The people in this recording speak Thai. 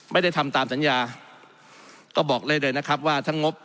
ไม่ได้ทำตามสัญญาก็บอกได้เลยนะครับว่าทั้งงบ